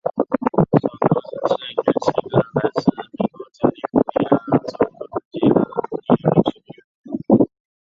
首都城市群是一个来自美国加利福尼亚州洛杉矶的独立流行乐组合。